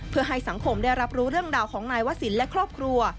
เพื่อให้สังคมได้รับรู้เรื่องราวของนายวศิลป์และครอบครัว